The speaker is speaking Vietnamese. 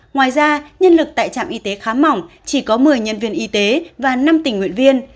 ngoài ra nhân lực tại trạm y tế khá mỏng chỉ có một mươi nhân viên y tế và năm tình nguyện viên